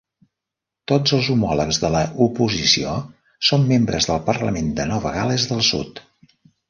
Tots els homòlegs de l'oposició són membres del Parlament de Nova Gales del Sud.